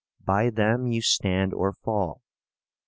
By them you stand or fall.